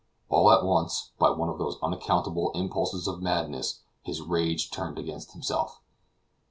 All at once, by one of those unaccountable impulses of madness, his rage turned against himself.